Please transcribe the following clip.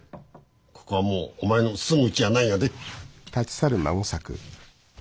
ここはもうお前の住むうちやないんやで。